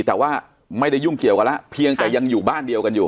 แต่ว่าไม่ได้ยุ่งเกี่ยวกันแล้วเพียงแต่ยังอยู่บ้านเดียวกันอยู่